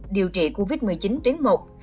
điều trị covid một mươi chín tuyến một hai